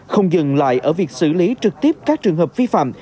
không dừng lại ở việc xử lý trực tiếp các trường hợp vi phạm